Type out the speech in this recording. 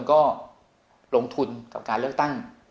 ก็ลงทุนกับการเลือกตั้ง